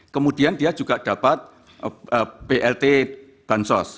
kemudian dia juga dapat blt bansos